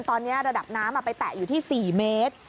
ตอนนี้ระดับน้ำไปแตะอยู่ที่๔เมตร